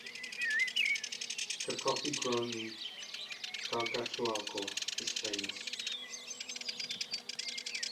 The coffee grown in Calcahualco is famous.